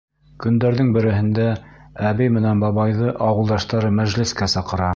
Көндәрҙең береһендә әбей менән бабайҙы ауылдаштары мәжлескә саҡыра.